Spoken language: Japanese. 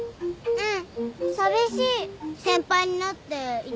うん。